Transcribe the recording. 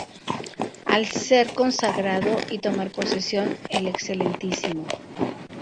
Al ser consagrado y tomar posesión el Excmo.